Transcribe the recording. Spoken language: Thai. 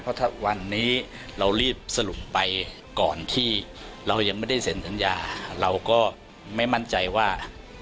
เพราะถ้าวันนี้เรารีบสรุปไปก่อนที่เรายังไม่ได้เซ็นสัญญาเราก็ไม่มั่นใจว่า